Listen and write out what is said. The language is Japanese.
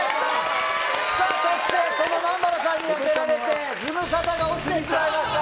さあそして、その南原さんに当てられて、ズムサタが落ちてしまいました。